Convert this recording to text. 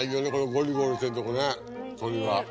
ゴリゴリしてるとこね鶏は。